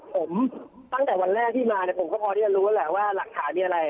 ผมตั้งแต่วันแรกที่มาเนี่ยผมก็พอที่จะรู้แหละว่าหลักฐานมีอะไร